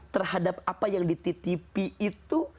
terhadap apa yang dititipi itu